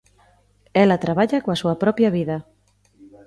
Ela traballa coa súa propia vida.